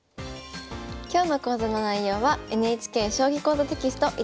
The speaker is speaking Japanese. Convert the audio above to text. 今日の講座の内容はＮＨＫ「将棋講座」テキスト